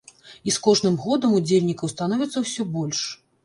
І з кожным годам удзельнікаў становіцца ўсё больш.